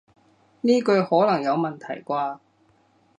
呢句可能有問題啩